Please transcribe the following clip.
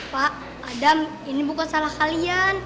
pak adam ini bukan salah kalian